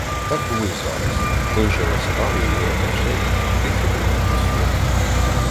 Так було й зараз: той же ласкавий вираз очей, тихе привітне слово.